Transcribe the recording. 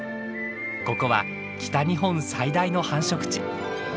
ここは北日本最大の繁殖地。